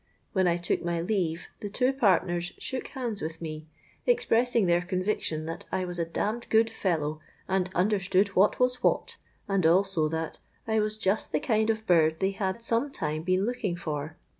When I took my leave the two partners shook hands with me, expressing their conviction that 'I was a damned good fellow and understood what was what,' and also that 'I was just the kind of bird they had some time been looking for.'